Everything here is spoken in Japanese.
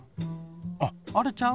あっあれちゃう？